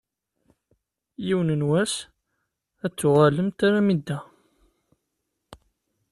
Yiwen n wass ad d-tuɣalemt alamma d da.